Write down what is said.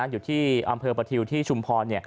อยู่ที่อำเภอประทิวที่ชุมพร